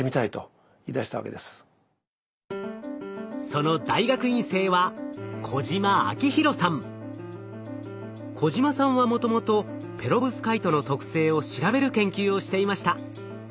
その大学院生は小島さんはもともとペロブスカイトの特性を調べる研究をしていました。